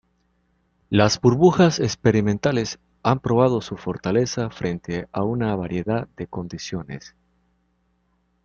Las burbujas experimentales han probado su fortaleza frente a una variedad de condiciones.